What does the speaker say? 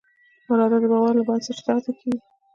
اراده د باور له بنسټه تغذیه کېږي.